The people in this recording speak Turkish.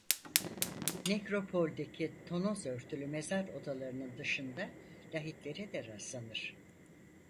Nekropoldeki tonoz örtülü mezar odalarının dışında lahitlere de rastlanır.